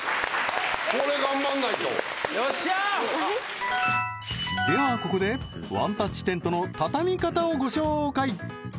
これ頑張んないとよっしゃではここでワンタッチテントの畳み方をご紹介